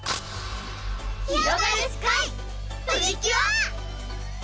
ひろがるスカイ！プリキュア！